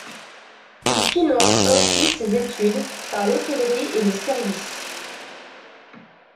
Il finance ainsi ses études, par l'hôtellerie et le service.